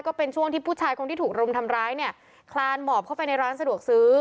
ก็เป็นช่วงที่ผู้ชายคนที่ถูกรุมทำร้ายเนี่ยคลานหมอบเข้าไปในร้านสะดวกซื้อ